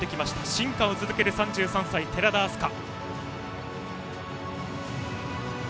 進化を続ける３３歳、寺田明日香。